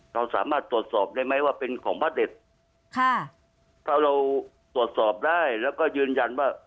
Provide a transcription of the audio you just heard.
เราสามารถตรวจสอบได้ไหมว่าเป็นของพระเด็ดค่ะถ้าเราตรวจสอบได้แล้วก็ยืนยันว่า